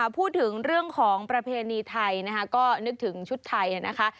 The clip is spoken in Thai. พูดถึงเรื่องของประเพณีไทยนะคะก็นึกถึงชุดไทยนะคะ